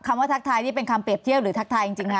ว่าทักทายนี่เป็นคำเปรียบเทียบหรือทักทายจริงนะ